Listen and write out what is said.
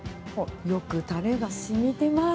よくたれがしみてます。